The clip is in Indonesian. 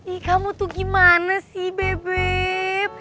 i kamu tuh gimana sih bebek